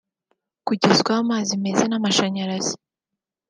kugezwaho amazi meza n’amashanyarazi